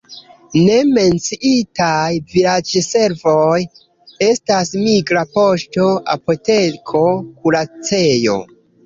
Ne menciitaj vilaĝservoj estas migra poŝto, apoteko, kuracejo.